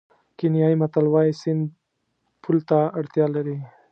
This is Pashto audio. کینیايي متل وایي سیند پل ته اړتیا لري.